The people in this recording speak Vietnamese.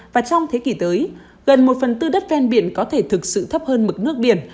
và trong thế kỷ tới gần một phần tư đất ven biển có thể thực sự thấp hơn mực nước biển